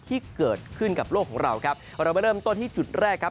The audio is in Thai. ที่เกิดขึ้นกับโลกของเราครับเรามาเริ่มต้นที่จุดแรกครับ